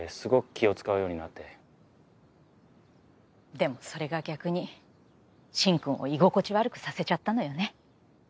でもそれが逆に進くんを居心地悪くさせちゃったのよね。